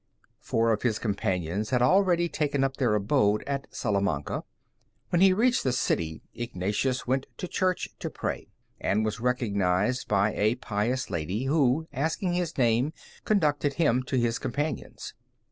Four of his companions had already taken up their abode at Salamanca. When he reached the city Ignatius went to church to pray, and was recognized by a pious lady, who, asking his name, conducted him to his companions.